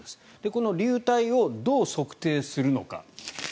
この流体をどう測定するのか。